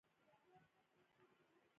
لږ شراب د خپلې معدې په ویاړ وڅښه، سمه ده.